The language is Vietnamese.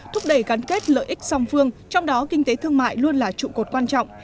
thúc đẩy gắn kết lợi ích song phương trong đó kinh tế thương mại luôn là trụ cột quan trọng